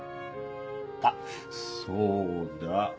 あっそうだ。